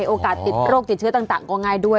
โอกาสติดโรคติดเชื้อต่างก็ง่ายด้วย